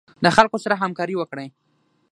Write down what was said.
له خلکو سره همکاري وکړئ.